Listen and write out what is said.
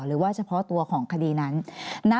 หรือว่าเฉพาะตัวของคดีนั้น